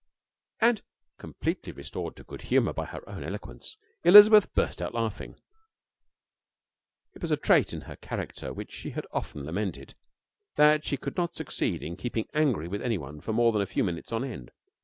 And, completely restored to good humour by her own eloquence, Elizabeth burst out laughing. It was a trait in her character which she had often lamented, that she could not succeed in keeping angry with anyone for more than a few minutes on end.